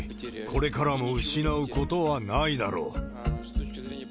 これからも失うことはないだろう。